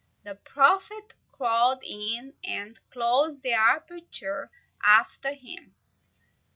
The prophet crawled in, and closed the aperture after him.